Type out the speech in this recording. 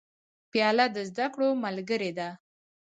پیاله د زده کړو ملګرې ده.